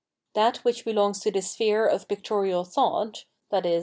That which belongs to the sphere of pictorial thought — viz.